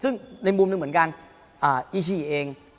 ซึ่งในมุมหนึ่งเหมือนกันอีฉี่เอง